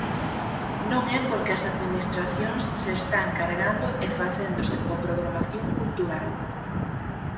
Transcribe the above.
Non é porque as administracións se están cargando e facéndose coa programación cultural.